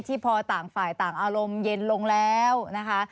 พอต่างฝ่ายต่างอารมณ์เย็นลงแล้วนะคะ